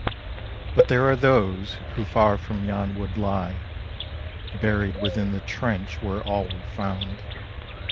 But there are those who far from yon wood lie, Buried within the trench where all were found.